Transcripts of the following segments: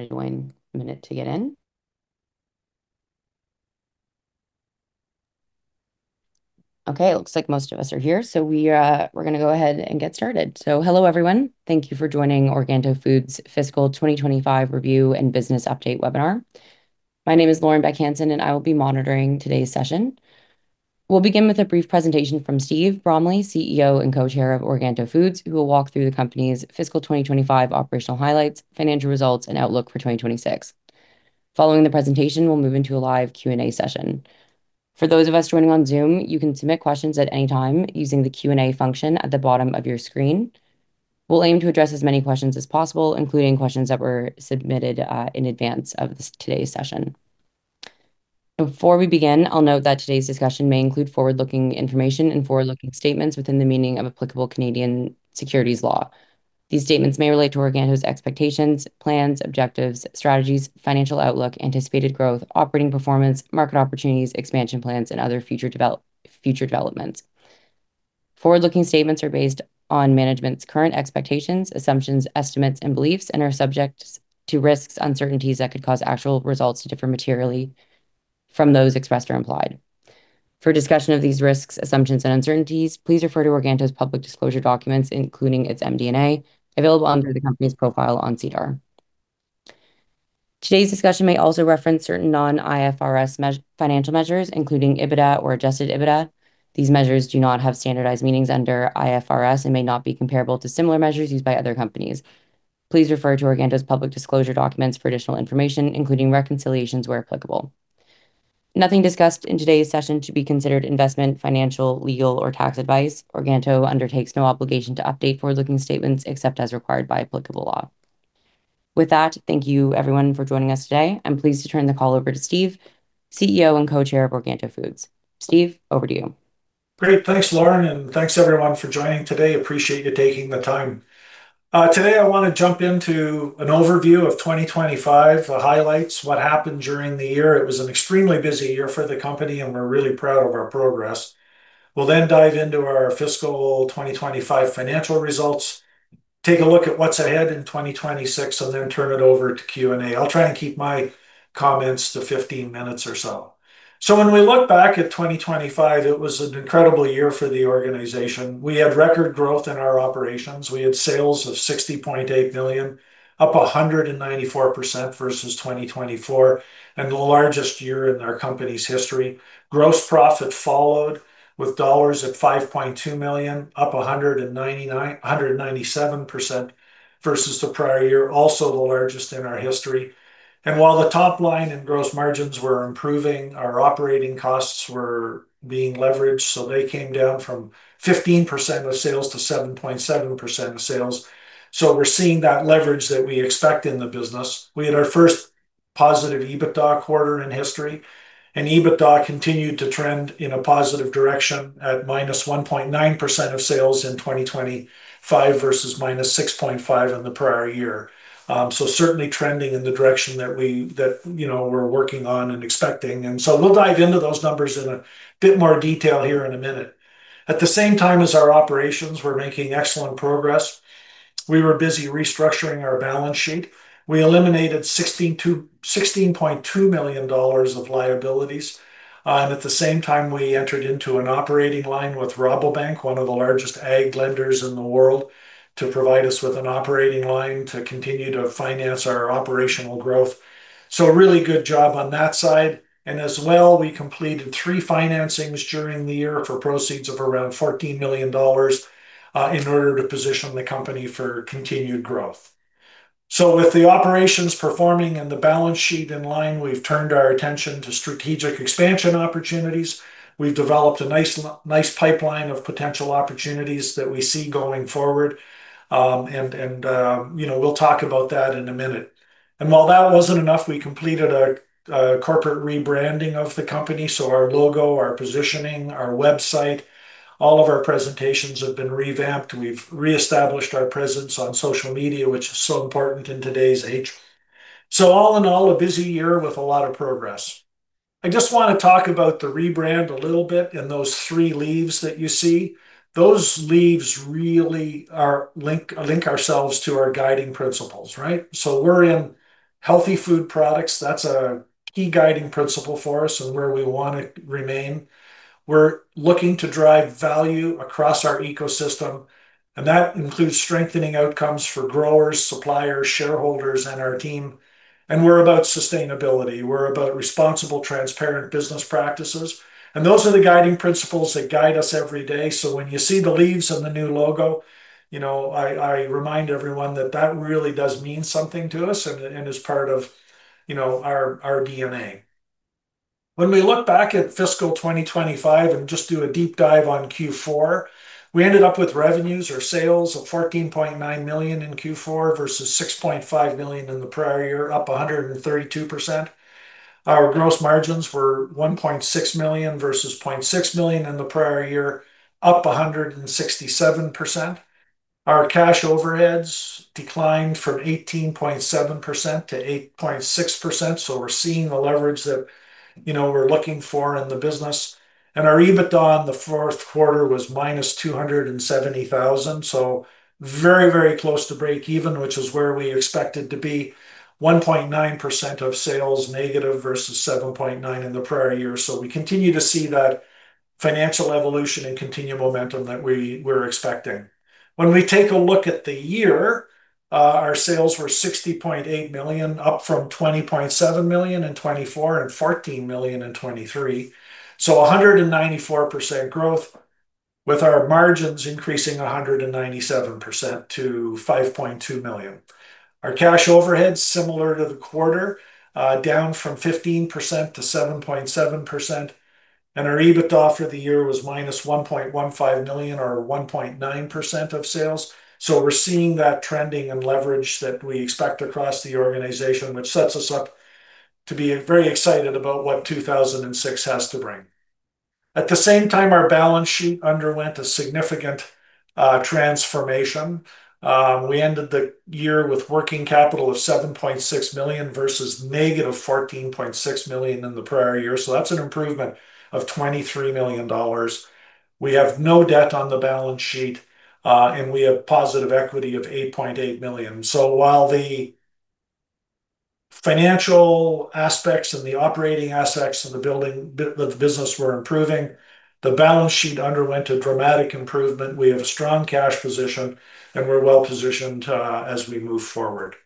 Want to join a minute to get in? Okay, looks like most of us are here. We're gonna go ahead and get started. Hello everyone. Thank you for joining Organto Foods' Fiscal 2025 Review and Business Update Webinar. My name is Lauren Bech-Hansen, and I will be monitoring today's session. We'll begin with a brief presentation from Steve Bromley, CEO and Co-Chair of Organto Foods, who will walk through the company's fiscal 2025 operational highlights, financial results, and outlook for 2026. Following the presentation, we'll move into a live Q&A session. For those of us joining on Zoom, you can submit questions at any time using the Q&A function at the bottom of your screen. We'll aim to address as many questions as possible, including questions that were submitted in advance of today's session. Before we begin, I'll note that today's discussion may include forward-looking information and forward-looking statements within the meaning of applicable Canadian securities law. These statements may relate to Organto's expectations, plans, objectives, strategies, financial outlook, anticipated growth, operating performance, market opportunities, expansion plans, and other future developments. Forward-looking statements are based on management's current expectations, assumptions, estimates, and beliefs and are subject to risks, uncertainties that could cause actual results to differ materially from those expressed or implied. For a discussion of these risks, assumptions, and uncertainties, please refer to Organto's public disclosure documents, including its MD&A, available under the company's profile on SEDAR+. Today's discussion may also reference certain non-IFRS financial measures, including EBITDA or Adjusted EBITDA. These measures do not have standardized meanings under IFRS and may not be comparable to similar measures used by other companies. Please refer to Organto's public disclosure documents for additional information, including reconciliations where applicable. Nothing discussed in today's session should be considered investment, financial, legal, or tax advice. Organto undertakes no obligation to update forward-looking statements, except as required by applicable law. With that, thank you everyone for joining us today. I'm pleased to turn the call over to Steve, CEO and Co-Chair of Organto Foods. Steve, over to you. Great. Thanks, Lauren. Thanks everyone for joining today. Appreciate you taking the time. Today I want to jump into an overview of 2025, the highlights, what happened during the year. It was an extremely busy year for the company, and we're really proud of our progress. We'll then dive into our fiscal 2025 financial results, take a look at what's ahead in 2026, and then turn it over to Q&A. I'll try and keep my comments to 15 minutes or so. When we look back at 2025, it was an incredible year for the organization. We had record growth in our operations. We had sales of 60.8 million, up 194% versus 2024, and the largest year in our company's history. Gross profit followed with 5.2 million dollars, up 197% versus the prior year. Also, the largest in our history. While the top line and gross margins were improving, our operating costs were being leveraged, so they came down from 15% of sales to 7.7% of sales. We're seeing that leverage that we expect in the business. We had our first positive EBITDA quarter in history, EBITDA continued to trend in a positive direction at -1.9% of sales in 2025 versus -6.5% in the prior year. Certainly, trending in the direction that we, you know, we're working on and expecting. We'll dive into those numbers in a bit more detail here in a minute. At the same time as our operations were making excellent progress, we were busy restructuring our balance sheet. We eliminated 16.2 million dollars of liabilities. At the same time, we entered into an operating line with Rabobank, one of the largest ag lenders in the world, to provide us with an operating line to continue to finance our operational growth. A really good job on that side. As well, we completed three financings during the year for proceeds of around 14 million dollars, in order to position the company for continued growth. With the operations performing and the balance sheet in line, we've turned our attention to strategic expansion opportunities. We've developed a nice pipeline of potential opportunities that we see going forward. You know, we'll talk about that in a minute. While that wasn't enough, we completed a corporate rebranding of the company. Our logo, our positioning, our website, all of our presentations have been revamped. We've reestablished our presence on social media, which is so important in today's age. All in all, a busy year with a lot of progress. I just want to talk about the rebrand a little bit and those three leaves that you see. Those leaves really are link ourselves to our guiding principles, right? We're in healthy food products. That's a key guiding principle for us and where we want to remain. We're looking to drive value across our ecosystem, and that includes strengthening outcomes for growers, suppliers, shareholders, and our team. We're about sustainability. We're about responsible, transparent business practices. Those are the guiding principles that guide us every day. When you see the leaves and the new logo, you know, I remind everyone that that really does mean something to us and is part of, you know, our DNA. When we look back at fiscal 2025 and just do a deep dive on Q4, we ended up with revenues or sales of 14.9 million in Q4 versus 6.5 million in the prior year, up 132%. Our gross margins were 1.6 million versus 0.6 million in the prior year, up 167%. Our cash overheads declined from 18.7% to 8.6%, so we're seeing the leverage that, you know, we're looking for in the business. Our EBITDA in the fourth quarter was -270,000, so very, very close to breakeven, which is where we expected to be, 1.9% of sales negative versus 7.9% in the prior year. We continue to see that financial evolution and continued momentum that we were expecting. When we take a look at the year, our sales were 60.8 million up from 20.7 million in 2024 and 14 million in 2023. 194% growth with our margins increasing 197% to 5.2 million. Our cash overhead's similar to the quarter, down from 15% to 7.7%. Our EBITDA for the year was -1.15 million or 1.9% of sales. We're seeing that trending and leverage that we expect across the organization, which sets us up to be very excited about what 2006 has to bring. At the same time, our balance sheet underwent a significant transformation. We ended the year with working capital of 7.6 million versus -14.6 million in the prior year, so that's an improvement of 23 million dollars. We have no debt on the balance sheet, and we have positive equity of 8.8 million. While the financial aspects and the operating aspects of the building the business were improving, the balance sheet underwent a dramatic improvement. We have a strong cash position, and we're well-positioned as we move forward.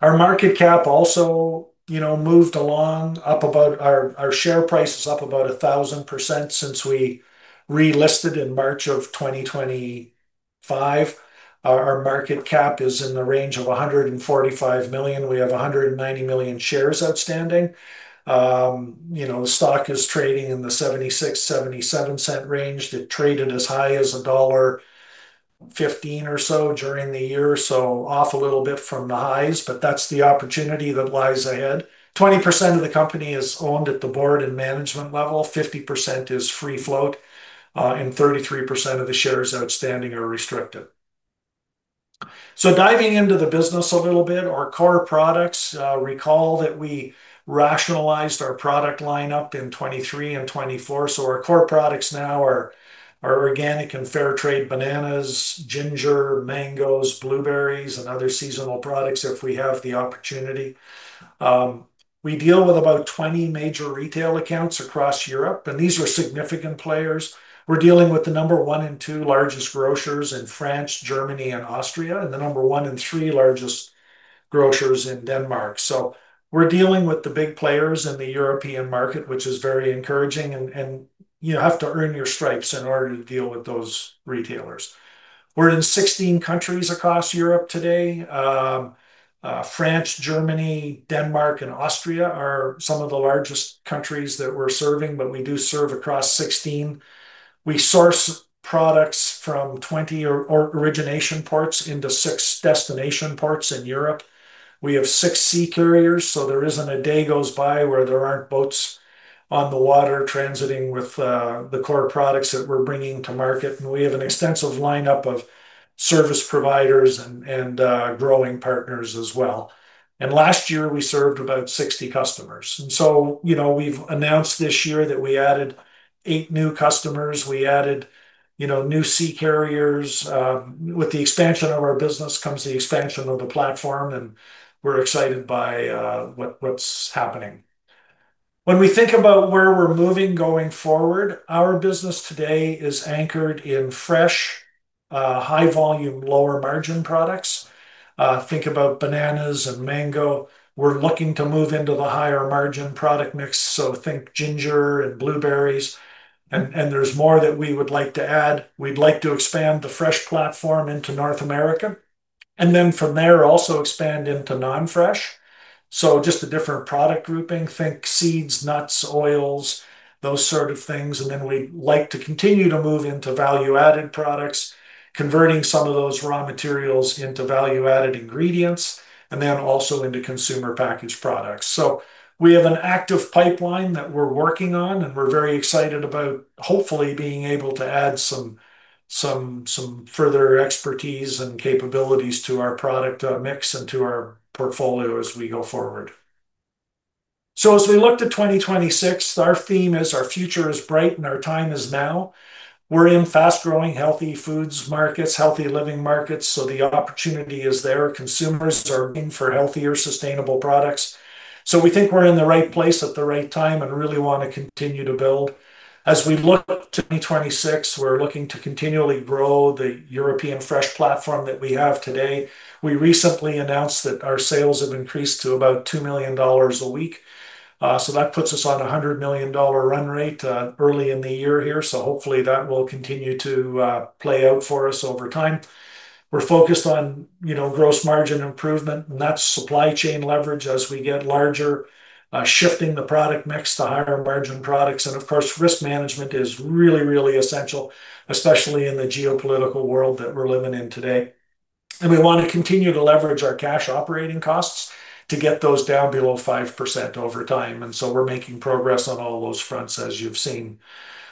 Our market cap also, you know, moved along. Our share price is up about 1000% since we re-listed in March of 2025. Our market cap is in the range of 145 million. We have 190 million shares outstanding. You know, the stock is trading in the 0.76, 0.77 range. It traded as high as dollar 1.15 or so during the year, so off a little bit from the highs, but that's the opportunity that lies ahead. 20% of the company is owned at the board and management level, 50% is free float, and 33% of the shares outstanding are restricted. Diving into the business a little bit, our core products. Recall that we rationalized our product line-up in 2023 and 2024, so our core products now are our organic and fair trade bananas, ginger, mangoes, blueberries, and other seasonal products if we have the opportunity. We deal with about 20 major retail accounts across Europe, and these are significant players. We're dealing with the number one and two largest grocers in France, Germany, and Austria, and the number one and three largest grocers in Denmark. We're dealing with the big players in the European market, which is very encouraging, and you have to earn your stripes in order to deal with those retailers. We're in 16 countries across Europe today. France, Germany, Denmark, and Austria are some of the largest countries that we're serving, but we do serve across 16. We source products from 20 origination ports into six destination ports in Europe. We have six sea carriers, there isn't a day goes by where there aren't boats on the water transiting with the core products that we're bringing to market, and we have an extensive line-up of service providers and growing partners as well. Last year we served about 60 customers. You know, we've announced this year that we added eight new customers. We added, you know, new sea carriers. With the expansion of our business comes the expansion of the platform, and we're excited by what's happening. When we think about where we're moving going forward, our business today is anchored in fresh, high-volume, lower margin products. Think about bananas and mango. We're looking to move into the higher margin product mix, so think ginger and blueberries and there's more that we would like to add. We'd like to expand the fresh platform into North America, and then from there also expand into non-fresh, so just a different product grouping. Think seeds, nuts, oils, those sort of things. We like to continue to move into value-added products, converting some of those raw materials into value-added ingredients, and then also into consumer packaged products. We have an active pipeline that we're working on, and we're very excited about hopefully being able to add some further expertise and capabilities to our product mix and to our portfolio as we go forward. As we look to 2026, our theme is our future is bright and our time is now. We're in fast-growing healthy foods markets, healthy living markets, so the opportunity is there. Consumers are looking for healthier, sustainable products. We think we're in the right place at the right time and really want to continue to build. As we look to 2026, we're looking to continually grow the European fresh platform that we have today. We recently announced that our sales have increased to about 2 million dollars a week, that puts us on 100 million dollar run rate early in the year here, hopefully that will continue to play out for us over time. We're focused on, you know, gross margin improvement, that's supply chain leverage as we get larger, shifting the product mix to higher margin products. Of course, risk management is really, really essential, especially in the geopolitical world that we're living in today. We want to continue to leverage our cash operating costs to get those down below 5% over time, we're making progress on all those fronts as you've seen.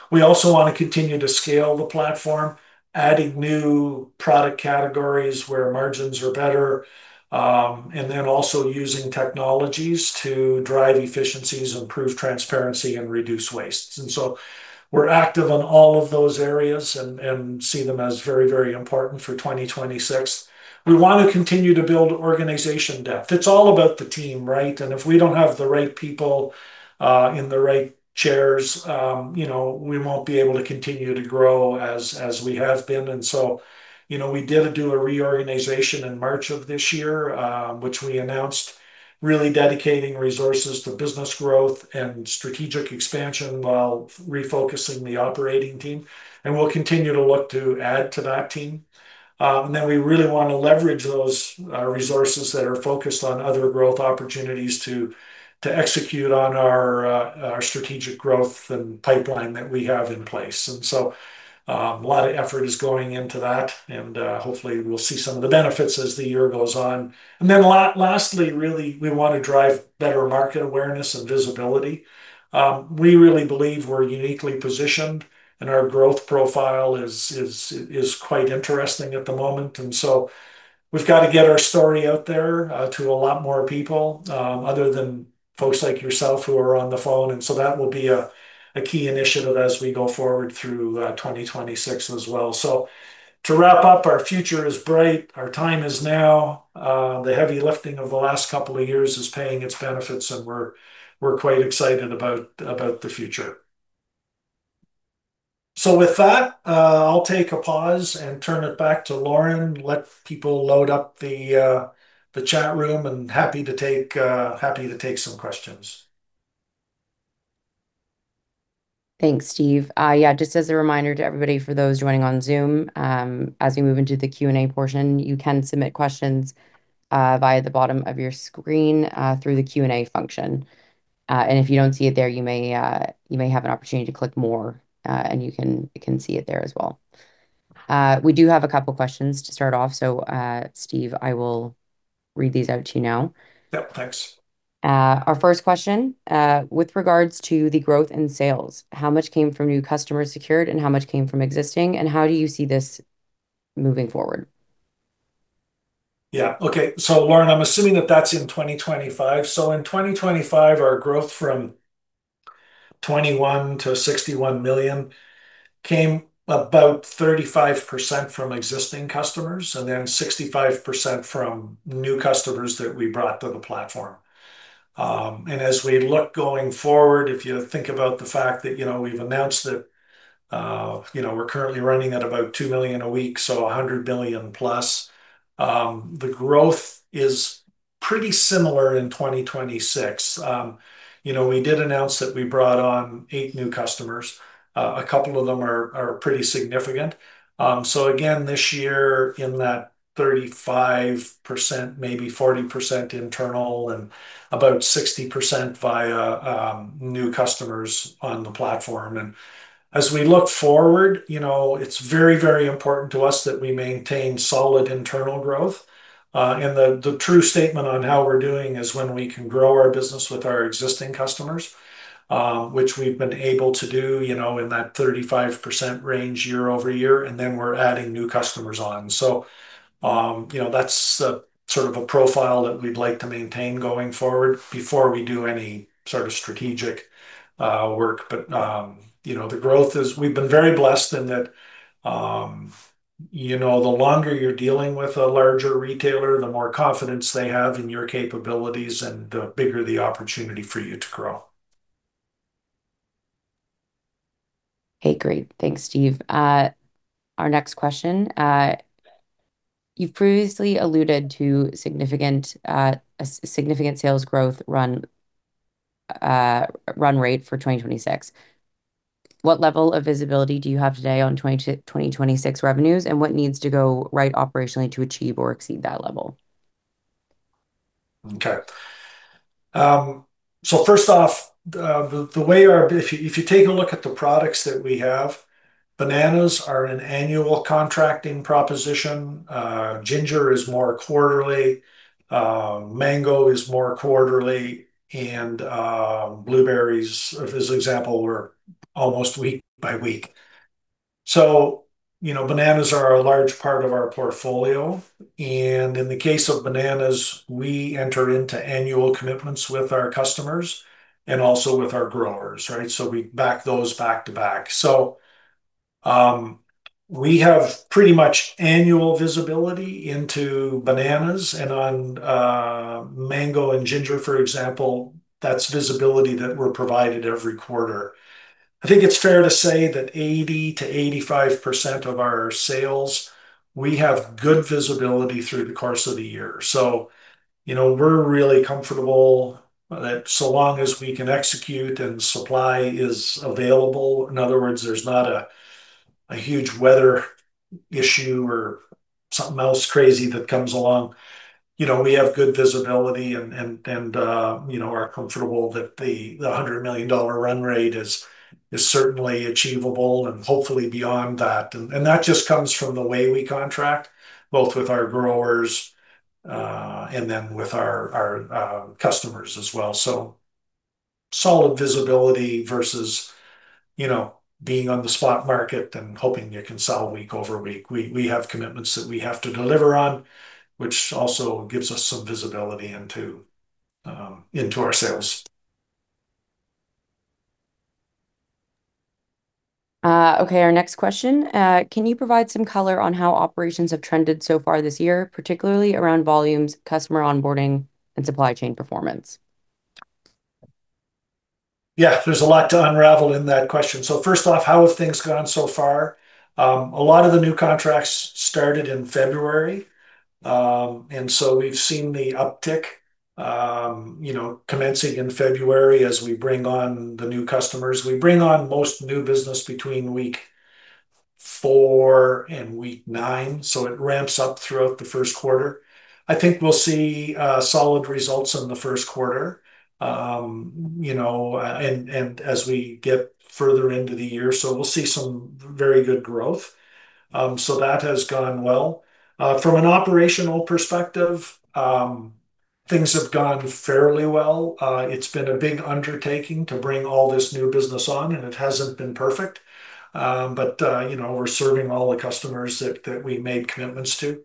We also want to continue to scale the platform, adding new product categories where margins are better, also using technologies to drive efficiencies, improve transparency, and reduce waste. We're active on all of those areas and see them as very, very important for 2026. We want to continue to build organization depth. It's all about the team, right? If we don't have the right people in the right chairs, you know, we won't be able to continue to grow as we have been. You know, we did do a reorganization in March of this year, which we announced, really dedicating resources to business growth and strategic expansion while refocusing the operating team, and we'll continue to look to add to that team. We really want to leverage those resources that are focused on other growth opportunities to execute on our strategic growth and pipeline that we have in place. A lot of effort is going into that, and hopefully we'll see some of the benefits as the year goes on. Then lastly, really, we want to drive better market awareness and visibility. We really believe we're uniquely positioned, and our growth profile is quite interesting at the moment. We've got to get our story out there, to a lot more people, other than folks like yourself who are on the phone. That will be a key initiative as we go forward through 2026 as well. To wrap up, our future is bright. Our time is now. The heavy lifting of the last couple of years is paying its benefits, and we're quite excited about the future. With that, I'll take a pause and turn it back to Lauren, let people load up the chat room, and happy to take some questions. Thanks, Steve. Just as a reminder to everybody for those joining on Zoom, as we move into the Q&A portion, you can submit questions via the bottom of your screen through the Q&A function. If you don't see it there, you may have an opportunity to click More, and you can see it there as well. We do have a couple questions to start off, Steve, I will read these out to you now. Yep. Thanks. Our first question, with regards to the growth in sales, how much came from new customers secured, and how much came from existing? How do you see this moving forward? Yeah. Okay. Lauren, I am assuming that that is in 2025. In 2025, our growth from 21 million to 61 million came about 35% from existing customers and then 65% from new customers that we brought to the platform. As we look going forward, if you think about the fact that, you know, we have announced that we are currently running at about 2 million a week, so 100 million+, the growth is pretty similar in 2026. You know, we did announce that we brought on eight new customers. A couple of them are pretty significant. Again, this year in that 35%, maybe 40% internal and about 60% via new customers on the platform. As we look forward, you know, it is very, very important to us that we maintain solid internal growth. The true statement on how we're doing is when we can grow our business with our existing customers, which we've been able to do, you know, in that 35% range year-over-year, and then we're adding new customers on. You know, that's a sort of a profile that we'd like to maintain going forward before we do any sort of strategic work. You know, we've been very blessed in that, you know, the longer you're dealing with a larger retailer, the more confidence they have in your capabilities and the bigger the opportunity for you to grow. Okay, great. Thanks, Steve. Our next question, you've previously alluded to a significant sales growth run rate for 2026. What level of visibility do you have today on 2026 revenues, and what needs to go right operationally to achieve or exceed that level? Okay. First off, if you take a look at the products that we have, bananas are an annual contracting proposition. Ginger is more quarterly. Mango is more quarterly. Blueberries, as an example, we're almost week by week. You know, bananas are a large part of our portfolio, and in the case of bananas, we enter into annual commitments with our customers and also with our growers, right? We back those back-to-back. We have pretty much annual visibility into bananas, and on mango and ginger, for example, that's visibility that we're provided every quarter. I think it's fair to say that 80%-85% of our sales, we have good visibility through the course of the year. You know, we're really comfortable that so long as we can execute and supply is available, in other words, there's not a huge weather issue or something else crazy that comes along, you know, we have good visibility and, you know, are comfortable that the 100 million dollar run rate is certainly achievable, and hopefully beyond that. That just comes from the way we contract, both with our growers, and then with our customers as well. Solid visibility versus, you know, being on the spot market and hoping you can sell week over week. We, we have commitments that we have to deliver on, which also gives us some visibility into our sales. Okay, our next question. Can you provide some color on how operations have trended so far this year, particularly around volumes, customer onboarding, and supply chain performance? There's a lot to unravel in that question. First off, how have things gone so far? A lot of the new contracts started in February. We've seen the uptick, you know, commencing in February as we bring on the new customers. We bring on most new business between week four and week nine, so it ramps up throughout the first quarter. I think we'll see solid results in the first quarter, you know, and as we get further into the year, we'll see some very good growth. That has gone well. From an operational perspective, things have gone fairly well. It's been a big undertaking to bring all this new business on, and it hasn't been perfect. You know, we're serving all the customers that we made commitments to.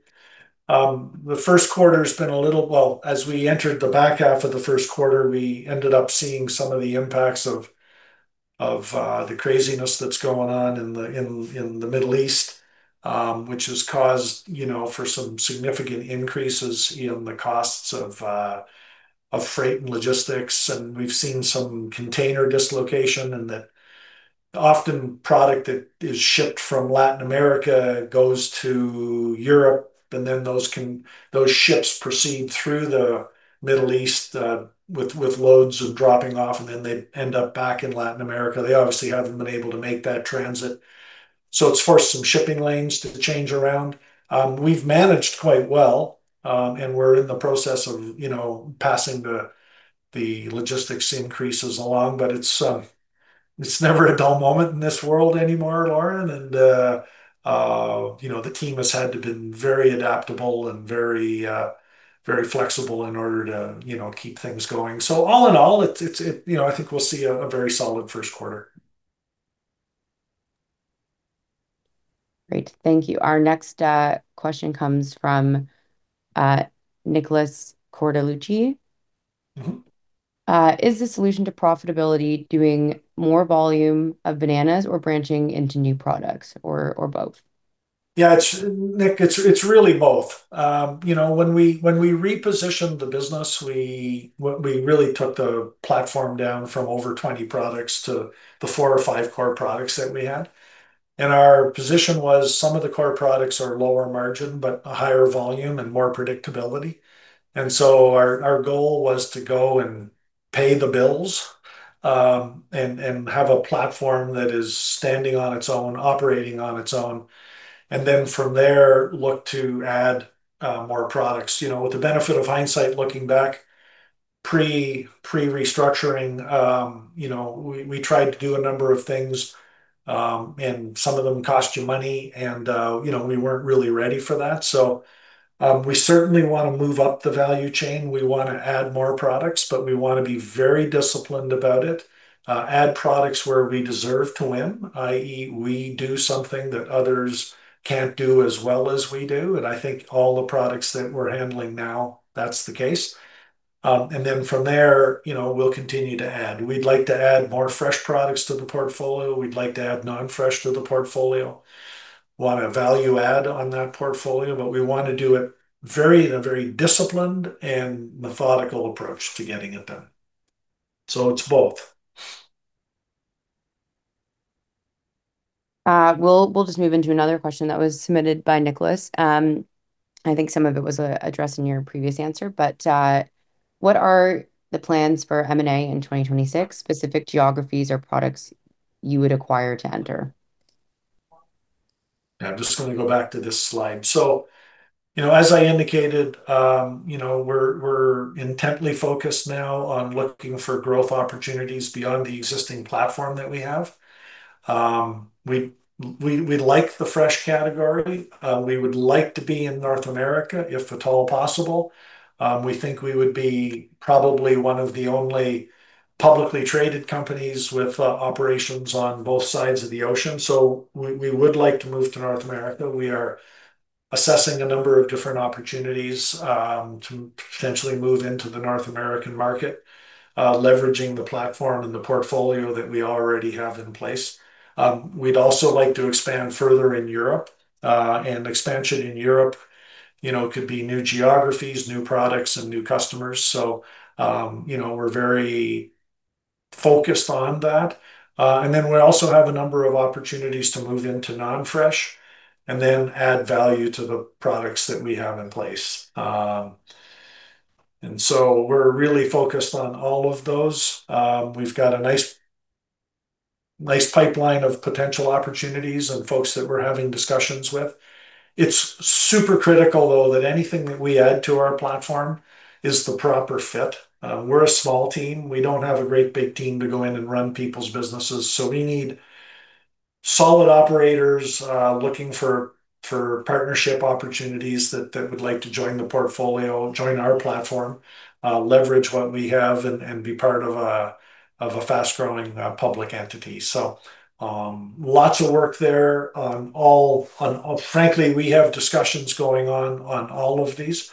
Well, as we entered the back half of the first quarter, we ended up seeing some of the impacts of the craziness that's going on in the Middle East, which has caused, you know, for some significant increases in the costs of freight and logistics, and we've seen some container dislocation and that often product that is shipped from Latin America goes to Europe and then those ships proceed through the Middle East, with loads of dropping off, and then they end up back in Latin America. They obviously haven't been able to make that transit. It's forced some shipping lanes to change around. We've managed quite well, and we're in the process of, you know, passing the logistics increases along, but it's never a dull moment in this world anymore, Lauren. The team has had to been very adaptable and very flexible in order to, you know, keep things going. All in all, it's, you know, I think we'll see a very solid first quarter. Great. Thank you. Our next question comes from Nicolas Cortellucci. Mm-hmm. Is the solution to profitability doing more volume of bananas or branching into new products or both? Yeah, Nick, it's really both. You know, when we repositioned the business, we really took the platform down from over 20 products to the four or five core products that we had. Our position was some of the core products are lower margin, but a higher volume and more predictability. Our goal was to go and pay the bills and have a platform that is standing on its own, operating on its own, and then from there, look to add more products. You know, with the benefit of hindsight looking back, pre-restructuring, you know, we tried to do a number of things, some of them cost you money, you know, we weren't really ready for that. We certainly want to move up the value chain. We want to add more products, but we want to be very disciplined about it. Add products where we deserve to win, i.e., we do something that others can't do as well as we do, and I think all the products that we're handling now, that's the case. Then from there, you know, we'll continue to add. We'd like to add more fresh products to the portfolio. We'd like to add non-fresh to the portfolio. We want a value add on that portfolio, but we want to do it very, in a very disciplined and methodical approach to getting it done. It's both. We'll just move into another question that was submitted by Nicholas. I think some of it was addressed in your previous answer, but what are the plans for M&A in 2026, specific geographies or products you would acquire to enter? Yeah, I'm just going to go back to this slide. You know, as I indicated, you know, we're intently focused now on looking for growth opportunities beyond the existing platform that we have. We like the fresh category. We would like to be in North America, if at all possible. We think we would be probably one of the only publicly traded companies with operations on both sides of the ocean. We, we would like to move to North America. We are assessing a number of different opportunities to potentially move into the North American market, leveraging the platform and the portfolio that we already have in place. We'd also like to expand further in Europe, and expansion in Europe, you know, could be new geographies, new products, and new customers. You know, we're very focused on that. We also have a number of opportunities to move into non-fresh and add value to the products that we have in place. We're really focused on all of those. We've got a nice pipeline of potential opportunities and folks that we're having discussions with. It's super critical though, that anything that we add to our platform is the proper fit. We're a small team. We don't have a great big team to go in and run people's businesses. We need solid operators, looking for partnership opportunities that would like to join the portfolio, join our platform, leverage what we have and be part of a fast-growing public entity. Lots of work there. on, frankly, we have discussions going on all of these,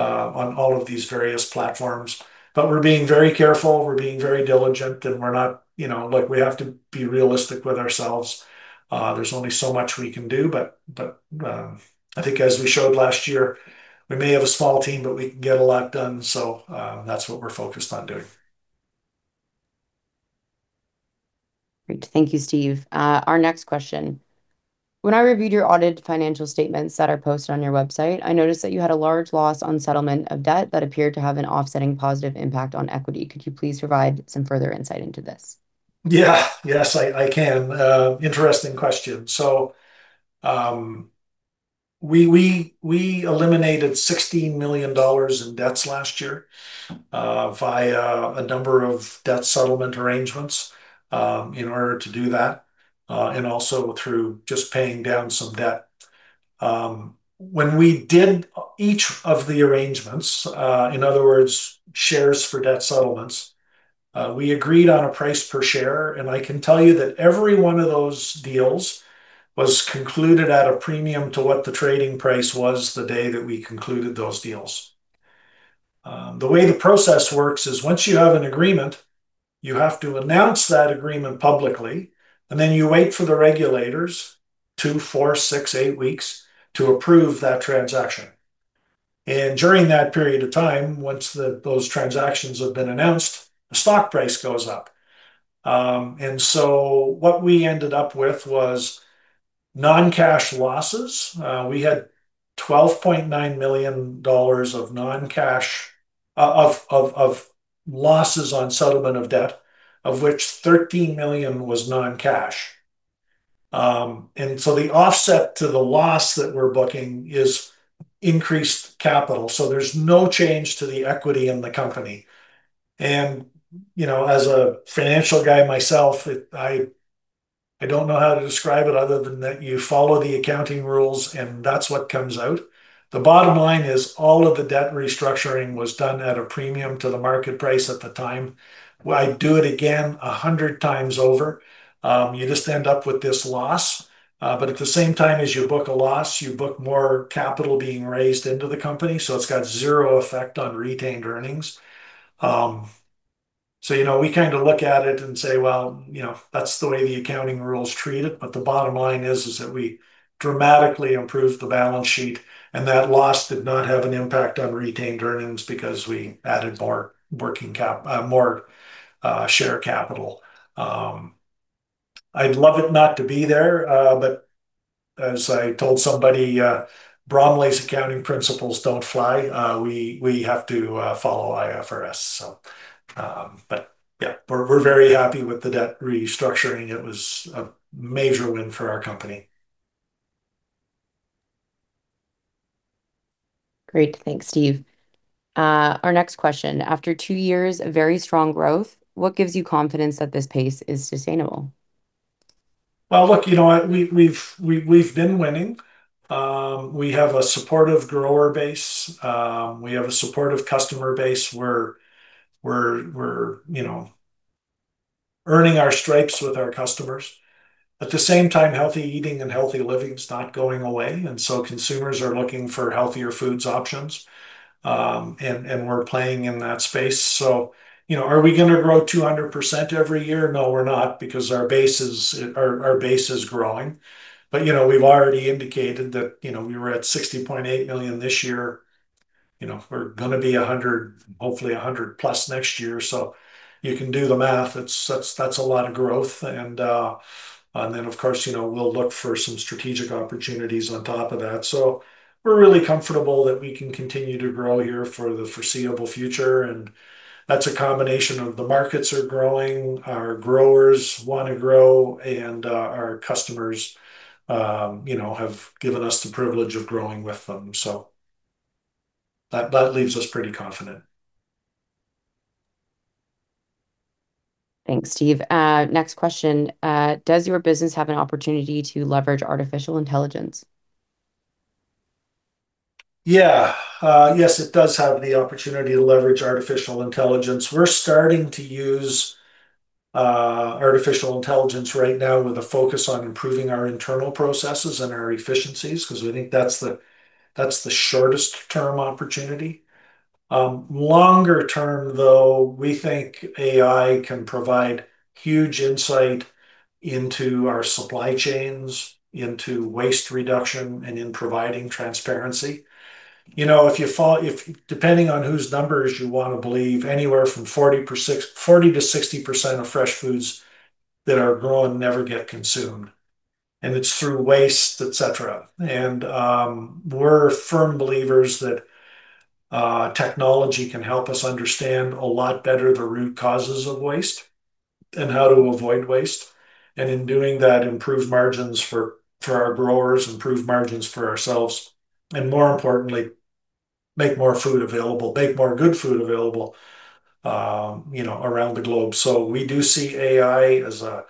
on all of these various platforms. We're being very careful, we're being very diligent, and we're not. You know, like, we have to be realistic with ourselves. There's only so much we can do. I think as we showed last year, we may have a small team, but we can get a lot done. That's what we're focused on doing. Great. Thank you, Steve. Our next question. When I reviewed your audit financial statements that are posted on your website, I noticed that you had a large loss on settlement of debt that appeared to have an offsetting positive impact on equity. Could you please provide some further insight into this? Yes, I can. Interesting question. We eliminated 16 million dollars in debts last year via a number of debt settlement arrangements in order to do that and also through just paying down some debt. When we did each of the arrangements, in other words, shares for debt settlements, we agreed on a price per share. I can tell you that every one of those deals was concluded at a premium to what the trading price was the day that we concluded those deals. The way the process works is once you have an agreement, you have to announce that agreement publicly, and then you wait for the regulators two, four, six, eight weeks to approve that transaction. During that period of time, once those transactions have been announced, the stock price goes up. What we ended up with was non-cash losses. We had 12.9 million dollars of non-cash losses on settlement of debt, of which 13 million was non-cash. The offset to the loss that we're booking is increased capital. There's no change to the equity in the company. You know, as a financial guy myself, it I don't know how to describe it other than that you follow the accounting rules and that's what comes out. The bottom line is all of the debt restructuring was done at a premium to the market price at the time. I'd do it again 100x over. You just end up with this loss. At the same time as you book a loss, you book more capital being raised into the company, so it's got zero effect on retained earnings. You know, we kind of look at it and say, "Well, you know, that's the way the accounting rules treat it." The bottom line is that we dramatically improved the balance sheet, and that loss did not have an impact on retained earnings because we added more share capital. I'd love it not to be there, as I told somebody, Bromley's accounting principles don't fly. We have to follow IFRS, so. Yeah, we're very happy with the debt restructuring. It was a major win for our company. Great. Thanks, Steve. Our next question: After two years of very strong growth, what gives you confidence that this pace is sustainable? Look, you know what? We've been winning. We have a supportive grower base. We have a supportive customer base. We're, you know, earning our stripes with our customers. At the same time, healthy eating and healthy living is not going away, consumers are looking for healthier foods options, and we're playing in that space. You know, are we gonna grow 200% every year? No, we're not, because our base is growing. You know, we've already indicated that, you know, we were at 60.8 million this year. You know, we're gonna be 100 million, hopefully 100 million plus next year. You can do the math. That's a lot of growth. Of course, you know, we'll look for some strategic opportunities on top of that. We're really comfortable that we can continue to grow here for the foreseeable future, and that's a combination of the markets are growing, our growers want to grow, and our customers, you know, have given us the privilege of growing with them. That leaves us pretty confident. Thanks, Steve. Next question: Does your business have an opportunity to leverage artificial intelligence? Yes, it does have the opportunity to leverage artificial intelligence. We're starting to use artificial intelligence right now with a focus on improving our internal processes and our efficiencies, 'cause we think that's the shortest-term opportunity. Longer term though, we think AI can provide huge insight into our supply chains, into waste reduction, and in providing transparency. You know, depending on whose numbers you want to believe, anywhere from 40 to 60% of fresh foods that are grown never get consumed, and it's through waste, et cetera. We're firm believers that technology can help us understand a lot better the root causes of waste and how to avoid waste, and in doing that, improve margins for our growers, improve margins for ourselves, and more importantly, make more food available, make more good food available, you know, around the globe. We do see AI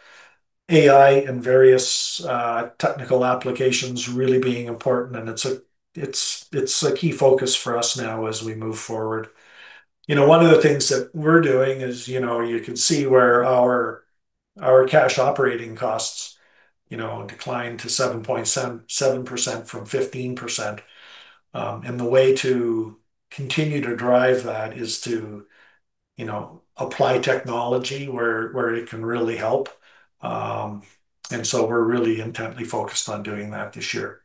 and various technical applications really being important, and it's a key focus for us now as we move forward. You know, one of the things that we're doing is, you know, you can see where our cash operating costs, you know, declined to 7.77% from 15%. The way to continue to drive that is to, you know, apply technology where it can really help. We're really intently focused on doing that this year.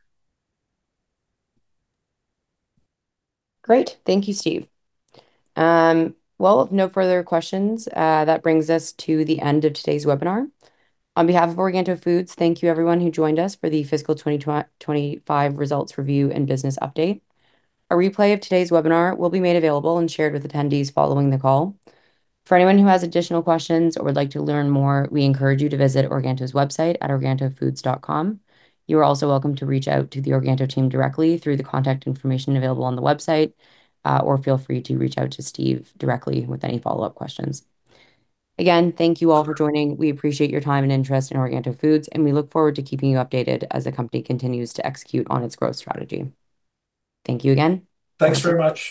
Great. Thank you, Steve. Well, no further questions. That brings us to the end of today's webinar. On behalf of Organto Foods, thank you everyone who joined us for the fiscal 2025 results review and business update. A replay of today's webinar will be made available and shared with attendees following the call. For anyone who has additional questions or would like to learn more, we encourage you to visit Organto's website at organtofoods.com. You are also welcome to reach out to the Organto team directly through the contact information available on the website, or feel free to reach out to Steve directly with any follow-up questions. Thank you all for joining. We appreciate your time and interest in Organto Foods, we look forward to keeping you updated as the company continues to execute on its growth strategy. Thank you again. Thanks very much.